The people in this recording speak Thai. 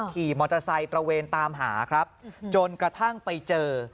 ขี่มอเตอร์ไซค์ตระเวนตามหาครับจนกระทั่งไปเจอ